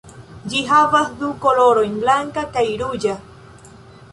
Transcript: Ĝi havas du kolorojn: blanka kaj ruĝa.